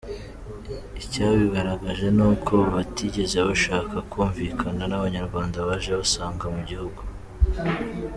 Icyabigaragaje, ni uko batigeze bashaka kwumvikana n’abanyarwanda baje basanga mu gihugu!